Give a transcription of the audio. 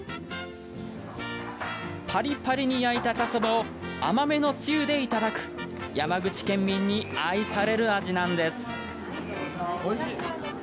パリパリに焼いた茶そばを甘めのつゆでいただく山口県民に愛される味なんです。